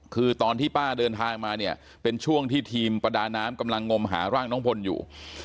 คือตอนที่ป้าเดินทางมาเนี่ยเป็นช่วงที่ทีมประดาน้ำกำลังงมหาร่างน้องพลอยู่